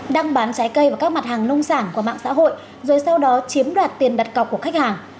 đang bán trái cây và các mặt hàng nông sản qua mạng xã hội rồi sau đó chiếm đoạt tiền đặt cọc của khách hàng